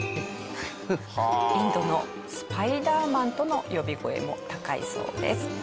インドのスパイダーマンとの呼び声も高いそうです。